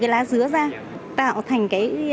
lá dứa ra tạo thành